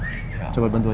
kau mau lihat kesana